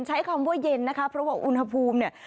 ใช้คำว่าเย็นนะคะเพราะว่าอุณหภูมิเนี่ย